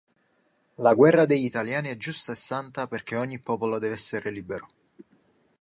La guerra degli italiani è giusta e santa perché ogni popolo deve essere libero.